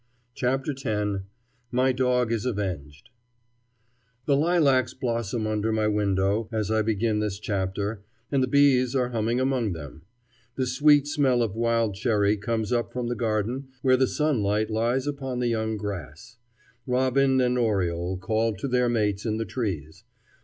CHAPTER X MY DOG IS AVENGED THE lilacs blossom under my window, as I begin this chapter, and the bees are humming among them; the sweet smell of wild cherry comes up from the garden where the sunlight lies upon the young grass. Robin and oriole call to their mates in the trees.